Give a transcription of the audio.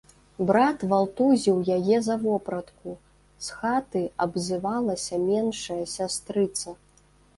Брат валтузіў яе за вопратку, з хаты абзывалася меншая сястрыца.